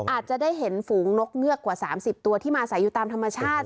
อาจจะได้เห็นฝูงนกเงือกกว่า๓๐ตัวที่มาใส่อยู่ตามธรรมชาติ